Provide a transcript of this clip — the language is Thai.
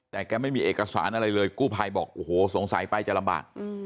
แต่แกไม่มีเอกสารอะไรเลยกู้ภัยบอกโอ้โหสงสัยไปจะลำบาก